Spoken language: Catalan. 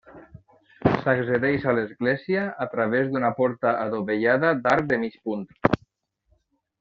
S'accedeix a l'església a través d'una porta adovellada d'arc de mig punt.